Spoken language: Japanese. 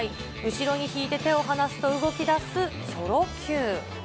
後ろに引いて手を離すと動きだすチョロＱ。